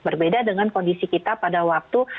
berbeda dengan kondisi kita pada waktu